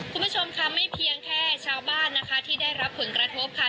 คุณผู้ชมค่ะไม่เพียงแค่ชาวบ้านนะคะที่ได้รับผลกระทบค่ะ